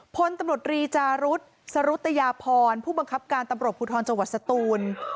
พลตำรวจรีจารุธสรุตยาพรผู้บังคับการตำรวจภูทรจังหวัดสตูน